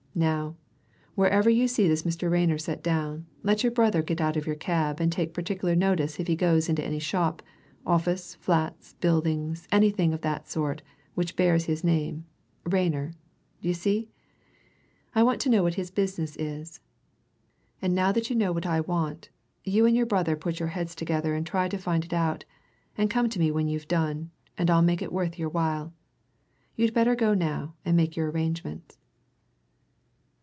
"Now, wherever you see this Mr. Rayner set down, let your brother get out of your cab and take particular notice if he goes into any shop, office, flats, buildings, anything of that sort which bears his name Rayner. D'you see? I want to know what his business is. And now that you know what I want, you and your brother put your heads together and try to find it out, and come to me when you've done, and I'll make it worth your while. You'd better go now and make your arrangements."